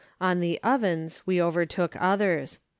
On the Ovens we overtook others.